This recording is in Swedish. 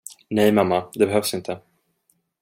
Nej, mamma, det behövs inte.